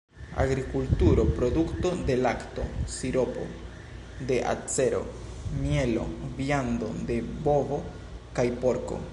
Agrikulturo: produkto de lakto, siropo de acero, mielo, viando de bovo kaj porko.